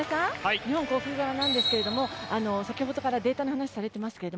日本航空側なんですが先ほどからデータの話をされています。